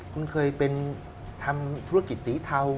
คุณเคยเป็นทำธุรกิจสีเทา